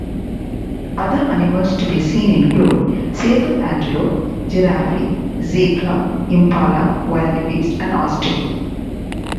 Other animals to be seen include sable antelope, giraffe, zebra, impala, wildebeest and ostrich.